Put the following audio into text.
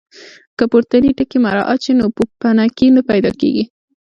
که پورتني ټکي مراعات شي نو پوپنکي نه پیدا کېږي.